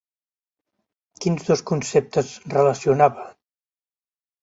Quins dos conceptes relacionava?